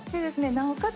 なおかつ